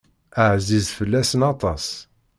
Ɛziz fell-asen aṭas.